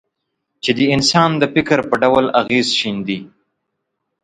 چې د انسان د فکر په ډول اغېز شیندي.